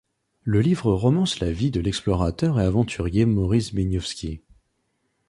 Le livre romance la vie de l'explorateur et aventurier Maurice Beniowski.